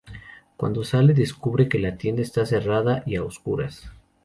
Cuando sale descubre que la tienda está cerrada y a oscuras.